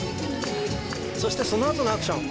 そしてそのあとのアクション